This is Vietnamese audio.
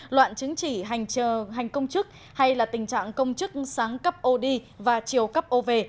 loạn chứng chỉ hành công chức hay là tình trạng công chức sáng cấp ô đi và chiều cắp ô về